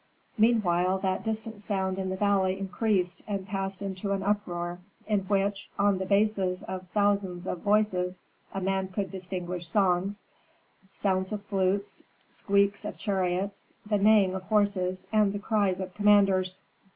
Meanwhile that distant sound in the valley increased and passed into an uproar in which, on the bases of thousands of voices a man could distinguish songs, sounds of flutes, squeaks of chariots, the neighing of horses, and the cries of commanders.